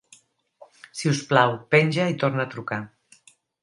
Si us plau, penja i torna a trucar.